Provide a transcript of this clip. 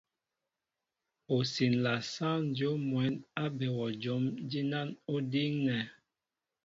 Ó siǹla sáŋ dyów mwɛ̌n á be wɛ jǒm jinán ó díŋnɛ.